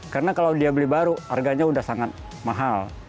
karena kalau dia beli baru harganya sudah sangat mahal